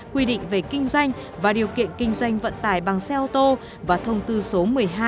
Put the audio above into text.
quy định về kinh doanh và điều kiện kinh doanh vận tải bằng xe ô tô và thông tư số một mươi hai